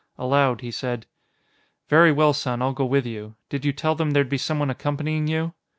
_ Aloud, he said, "Very well, son; I'll go with you. Did you tell them there'd be someone accompanying you?"